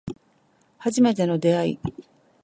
初めての出会い